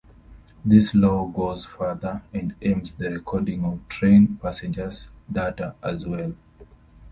This law goes further and aims the recording of train passengers' data as well.